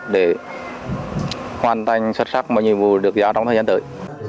để hoàn thành xuất sắc mọi nhiệm vụ được giáo trong thời gian tới